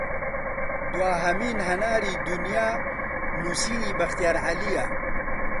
دواهەمین هەناری دونیا نوسینی بەختیار عەلییە